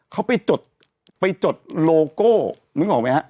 เขาไปจดไปจดโลโก้นึกออกไหมฮะ